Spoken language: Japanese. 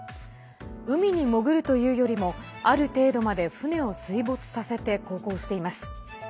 海に潜るというよりもある程度まで船を水没させて航行しています。